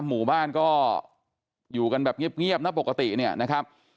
หมู่บ้านก็อยู่กันแบบเงียบนะปกติเนี่ยนะครับ